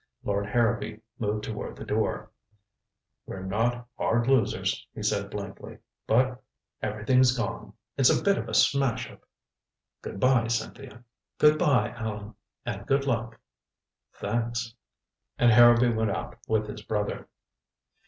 Lord Harrowby moved toward the door. "We're not hard losers," he said blankly. "But everything's gone it's a bit of a smash up. Good by, Cynthia." "Good by, Allan and good luck." "Thanks." And Harrowby went out with his brother.